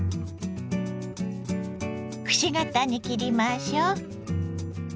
くし形に切りましょう。